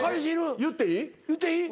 言っていい？